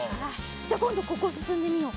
じゃあこんどここすすんでみよう。